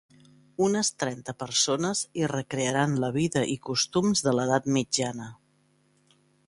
Unes trenta persones hi recrearan la vida i costums de l’edat mitjana.